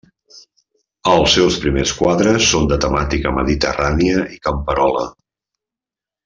Els seus primers quadres són de temàtica mediterrània i camperola.